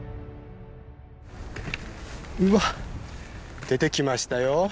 うわっ出てきましたよ。